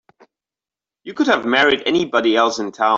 You could have married anybody else in town.